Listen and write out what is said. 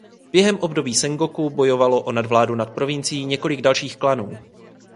Během období Sengoku bojovalo o nadvládu nad provincií několik dalších klanů.